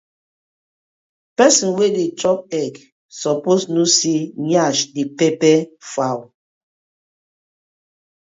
Pesin wey dey chop egg e suppose kno say yansh dey pepper fowl.